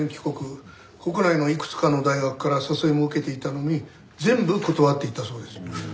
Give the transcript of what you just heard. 国内のいくつかの大学から誘いも受けていたのに全部断っていたそうです。